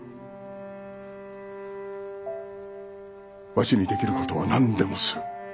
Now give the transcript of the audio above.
わしにできることは何でもする。